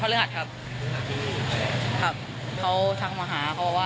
เห็นแล้วครับแล้วทีนี้พอถ้าพัก